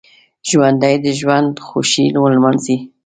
ژوندي د ژوند خوښۍ ولمانځي